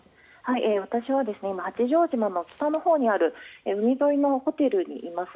私は今八丈島の北のほうにある海沿いのホテルにいます。